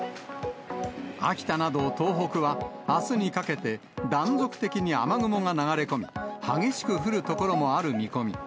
秋田など東北は、あすにかけて、断続的に雨雲が流れ込み、激しく降る所もある見込み。